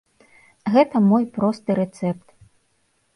Гэта мой просты рэцэпт!